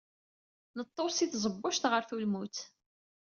Nṭew si tẓebbujt ɣer tulmutt.